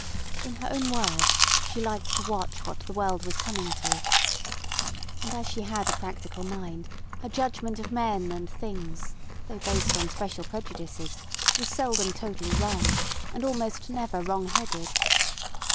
In her own words, she liked to watch what the world was coming to. And as she had a practical mind her judgment of men and things, though based on special prejudices, was seldom totally wrong, and almost never wrong headed.